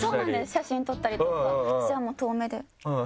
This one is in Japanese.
写真撮ったりとか私は。